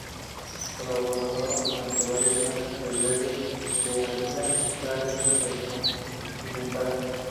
Colaboradora durante varios años del Diario de Ávila y Radio Intercontinental.